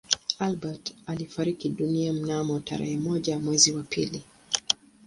Albert alifariki dunia mnamo tarehe moja mwezi wa pili